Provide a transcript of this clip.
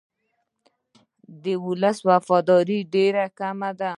د ولس وفاداري ډېره کمه ده.